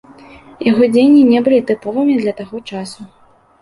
Яго дзеянні не былі тыповымі для таго часу.